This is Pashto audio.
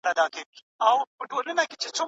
څېړونکی باید د زړو افسانو تر اغېز لاندي رانه سي.